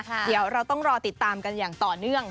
เดี๋ยวเราต้องรอติดตามกันอย่างต่อเนื่อง